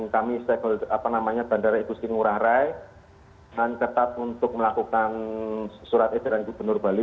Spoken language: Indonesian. kami bandara ekusin ngurah rai dan ketat untuk melakukan surat itu dari gubernur bali